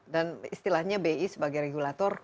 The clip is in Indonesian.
dan istilahnya bi sebagai regulator